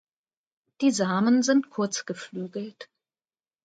Die Samen sind kurz geflügelt.